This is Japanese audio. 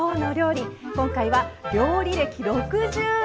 今回は料理歴６０年。